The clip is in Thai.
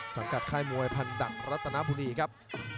กับค่ายมวยพันดักรัตนบุรีครับ